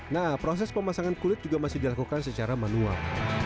nah proses pemasangan kulit juga masih dilakukan secara manual